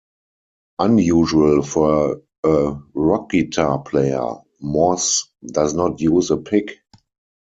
Unusual for a rock guitar player, Morse does not use a pick.